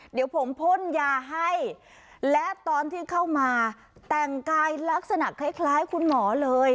เดี๋ยวผมพ่นยาให้และตอนที่เข้ามาแต่งกายลักษณะคล้ายคุณหมอเลย